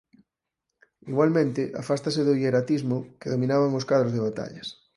Igualmente afástase do hieratismo que dominaban os cadros de batallas.